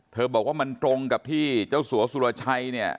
บอกว่ามันตรงกับที่เจ้าสัวสุรชัยเนี่ย